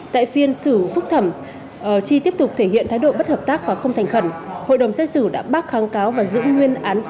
tại phiên xử phúc thẩm tri tiếp tục thể hiện thái độ bất hợp tác và không thành khẩn